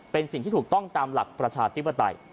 เป็นสิ่งที่ถูกต้องตามหลักประชาธิปไตย